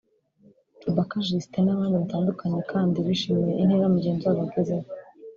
Cubaka Justin n’abandi batandukanye kandi bishimiye intera mugenzi wabo agezeho